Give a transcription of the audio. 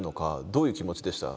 どういう気持ちでした？